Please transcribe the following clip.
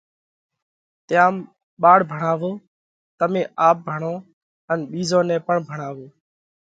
تيام ٻاۯ ڀڻاوو۔ تمي آپ ڀڻو ان ٻِيزون نئہ پڻ ڀڻاوو۔